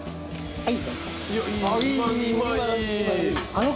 はい。